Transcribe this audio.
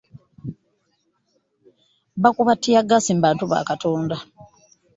Baakuba ttiyaggaasi mu bantu ba Katonda.